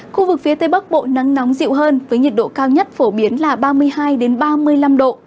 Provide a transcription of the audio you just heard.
khu vực phía tây bắc bộ nắng nóng dịu hơn với nhiệt độ cao nhất phổ biến là ba mươi hai ba mươi năm độ